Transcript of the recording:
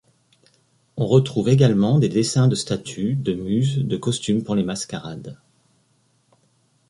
On retrouve également des dessins de statues, de Muses, de costumes pour les mascarades.